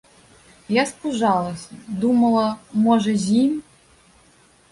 Я спужалася, думала, можа, з ім.